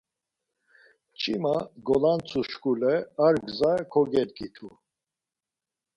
Mç̌ima golantsuşkule ar gzas kogedgitu.